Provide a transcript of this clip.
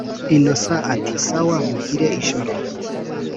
innocent ati”sawa mugire ijoro